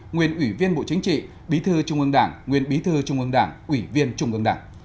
nguyên ủy viên bộ chính trị bí thư trung ương đảng nguyên bí thư trung ương đảng ủy viên trung ương đảng